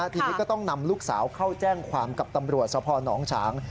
ทีนี้ก็ต้องนำลูกสาวเข้าแจ้งความกับตำรวจสพนฉาง